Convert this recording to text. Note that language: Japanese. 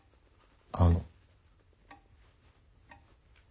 あの。